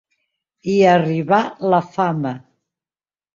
I arribà la fama.